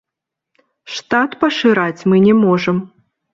Штат пашыраць мы не можам.